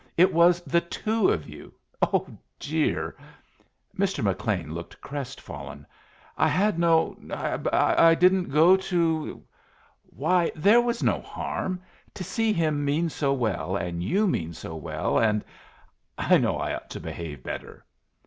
"It was the two of you. Oh dear!" Mr. McLean looked crestfallen. "I had no I didn't go to " "Why, there was no harm! To see him mean so well and you mean so well, and I know I ought to behave better!"